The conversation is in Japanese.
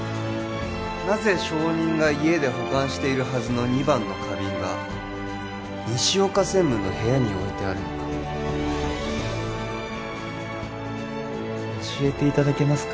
なぜ証人が家で保管しているはずの２番の花瓶が西岡専務の部屋に置いてあるのか教えていただけますか？